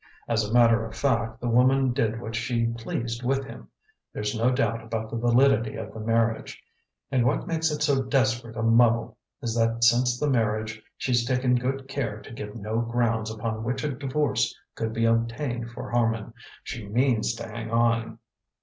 As a matter of fact, the woman did what she pleased with him. There's no doubt about the validity of the marriage. And what makes it so desperate a muddle is that since the marriage she's taken good care to give no grounds upon which a divorce could be obtained for Harman. She means to hang on."